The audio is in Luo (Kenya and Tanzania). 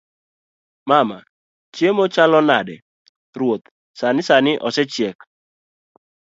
mama; chiemo chalo nade? ruoth; sani sani osechiek